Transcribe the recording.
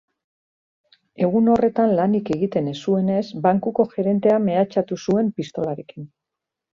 Egun horretan lanik egiten ez zuenez, bankuko gerentea mehatxatu zuen pistolarekin.